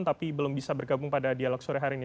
tapi belum bisa bergabung pada dialog sore hari ini